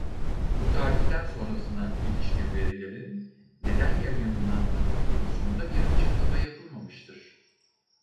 Bu tarihten sonrasına ilişkin verilerin neden yayımlanmadığı konusunda bir açıklama yapılmamıştır.